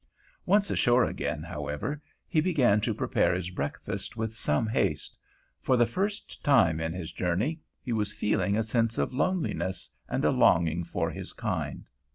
Once ashore again, however, he began to prepare his breakfast with some haste. For the first time in his journey he was feeling a sense of loneliness and a longing for his kind.